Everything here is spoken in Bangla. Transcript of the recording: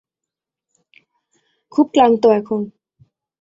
খুব ক্লান্ত এখন।